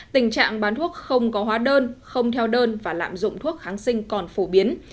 tình trạng bán thuốc không có hóa đơn không theo đơn và lạm dụng thuốc kháng sinh còn phổ biến